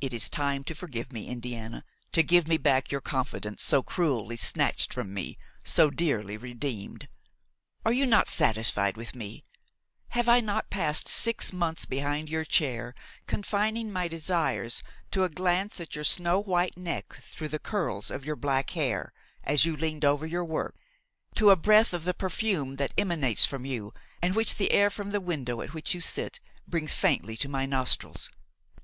"It is time to forgive me, Indiana, to give me back your confidence, so cruelly snatched from me, so dearly redeemed. Are you not satisfied with me? Have I not passed six months behind your chair, confining my desires to a glance at your snow white neck through the curls of your black hair, as you leaned over your work, to a breath of the perfume which emanates from you and which the air from the window at which you sit brings faintly to my nostrils?